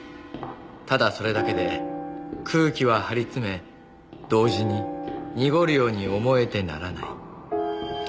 「ただそれだけで空気は張り詰め同時に濁るように思えてならない」